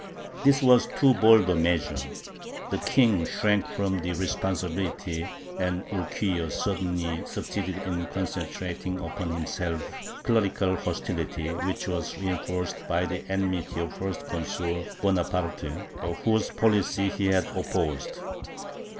This was too bold a measure; the king shrank from the responsibility and Urquijo only succeeded in concentrating upon himself clerical hostility, which was reinforced by the enmity of First Consul Bonaparte, whose policy he had opposed.